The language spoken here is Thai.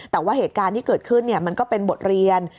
แต่ว่าเหตุการณ์ที่เกิดขึ้นมันก็เป็นบทเรียน